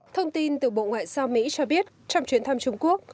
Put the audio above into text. thông tin từ bộ ngoại giao mỹ cho biết trong chuyến thăm trung quốc